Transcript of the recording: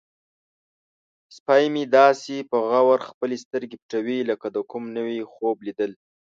سپی مې داسې په غور خپلې سترګې پټوي لکه د کوم نوي خوب لیدل.